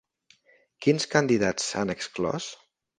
Quins candidats s’han exclòs?